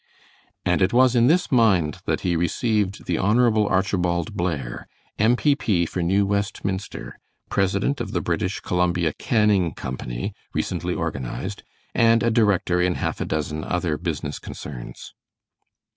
And it was in this mind that he received the Honorable Archibald Blair, M. P. P., for New Westminster, president of the British Columbia Canning Company, recently organized, and a director in half a dozen other business concerns.